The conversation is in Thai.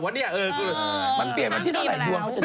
มันเปลี่ยนมาที่เท่าไหร่ดวง